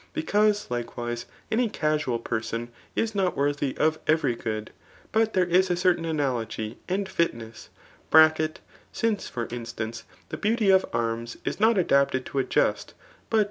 Because, likewise, any casual pi^rsonisinbt wcrthy of every good^ hut' there is. a .(terCain analogy^ and fimessj (since, for instance, the beadty qfarms ii not adapted to a just, but to.